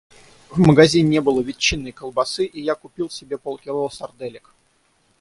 В магазине не было ветчинной колбасы, и я купил себе полкило сарделек.